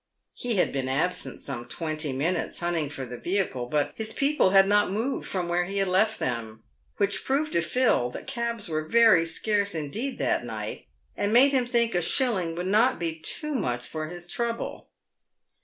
He had been absent some twenty minutes, hunting for the vehicle, but " his people" had not moved from where he left them, which proved to Phil that cabs were very scarce indeed that night, and made him think a shilling would not be too much for his trouble.